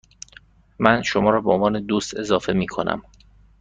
من شما را به عنوان دوست اضافه می کنم.